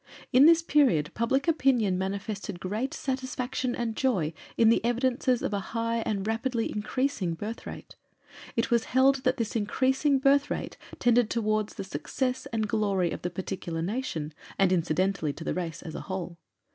In this period public opinion manifested great satisfaction and joy in the evidences of a high and rapidly increasing birth rate. It was held that this increasing birth rate tended toward the success and glory of the particular nation, and incidentally to the race as a whole.